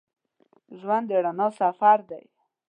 ژوند د رڼا سفر دی.